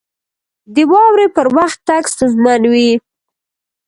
• د واورې پر وخت تګ ستونزمن وي.